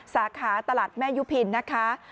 สาขาตลาดแม่ยุพินนะคะ